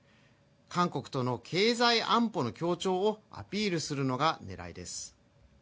韓国との経済安保の協調をアピールするのが狙いです。